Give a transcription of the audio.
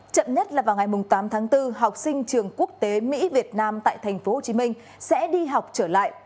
chậm nhất là vào ngày tám tháng bốn học sinh trường quốc tế mỹ việt nam tại tp hcm sẽ đi học trở lại